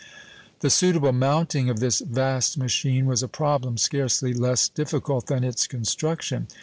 The suitable mounting of this vast machine was a problem scarcely less difficult than its construction.